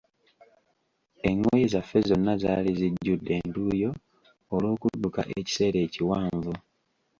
Engoye zaffe zonna zaali zijjudde entuuyo olw'okudduka ekiseera ekiwanvu.